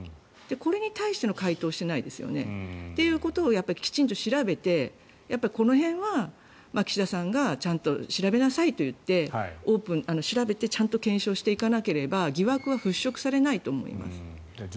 これに対しての回答をしてないですよね。ということをきちんと調べてこの辺は岸田さんがちゃんと調べなさいと言って調べてちゃんと検証していかなければ疑惑は払しょくされないと思います。